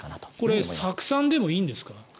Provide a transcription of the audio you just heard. これ、酢酸でもいいんですか？